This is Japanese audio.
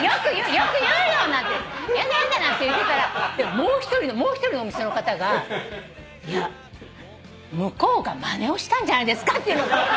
よく言うよ」なんて言ってたらもう１人のお店の方が「いや」「向こうがまねをしたんじゃないですか？」って言うの。